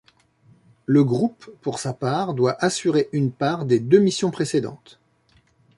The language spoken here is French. Le groupe, pour sa part, doit assurer une part des deux missions précédentes.